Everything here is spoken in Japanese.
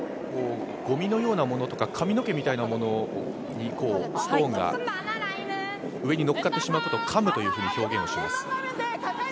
ごみのようなものとか、髪の毛のようなものにストーンが上に乗っかってしまうことをかむというふうに表現します。